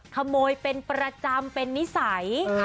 ขโมยเป็นประจำเป็นนิสัย